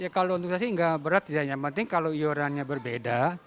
ya kalau untuk saya sih nggak berat yang penting kalau iorannya berbeda